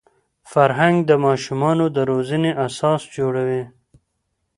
فرهنګ د ماشومانو د روزني اساس جوړوي.